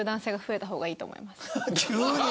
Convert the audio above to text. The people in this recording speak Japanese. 急に！